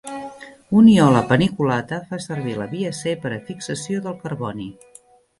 "Uniola paniculata" fa servir la via C per a fixació del carboni.